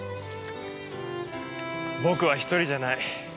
僕は１人じゃない。